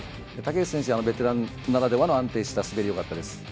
竹内選手はベテランならではの安定した滑りでよかったです。